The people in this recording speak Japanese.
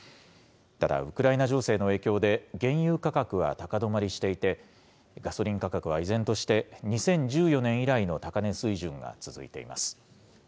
ただウクライナ情勢の影響で、原油価格は高止まりしていて、ガソリン価格は依然として２０１４年以来の高値水準が続いています。